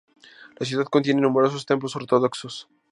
La ciudad contiene numerosos templos ortodoxos.